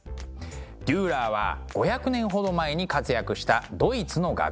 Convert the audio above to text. デューラーは５００年ほど前に活躍したドイツの画家。